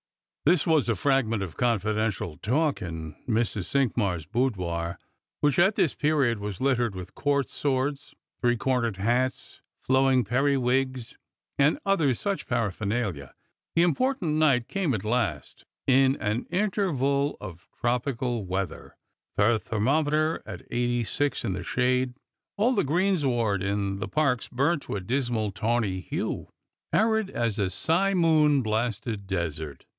This was a fragment of confidential talk in Mrs, Cinqmars' boudoir, which at this period was littered with court swords, three cornered hats, flowing periwigs, and other such parapher naha. The important night came at last, in an interval of tropical weather, the thermometer at eighty six in the shade, all the greensward in the parks burnt to a dismal tawny hue, arid as a simoom blasted desert.